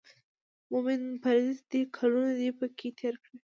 مومن پردېس دی کلونه به پکې تېر کړي.